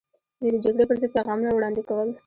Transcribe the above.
دوی د جګړې پر ضد پیغامونه وړاندې کول.